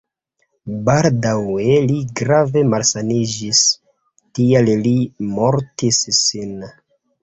Baldaŭe li grave malsaniĝis, tial li mortis sin.